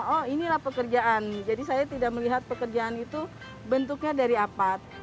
oh inilah pekerjaan jadi saya tidak melihat pekerjaan itu bentuknya dari apat